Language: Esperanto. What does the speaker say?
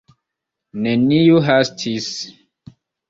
Neniu hastis.